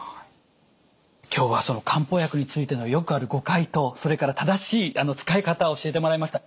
今日は漢方薬についてのよくある誤解とそれから正しい使い方を教えてもらいました。